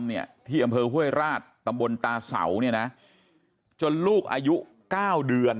เนี่ยที่อำเภอห้วยราชตำบลตาเสาเนี่ยนะจนลูกอายุเก้าเดือน